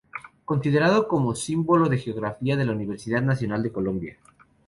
Considerado como símbolo de la Geografía de la Universidad Nacional de Colombia.